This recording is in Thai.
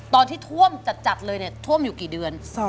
ตอนที่ท่วมจัดเลยเนี่ยท่วมอยู่กี่เดือน